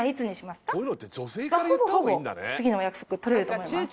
まあほぼほぼ次のお約束取れると思います。